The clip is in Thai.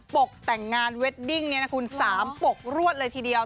ตกแต่งงานเวดดิ้งเนี่ยนะคุณ๓ปกรวดเลยทีเดียว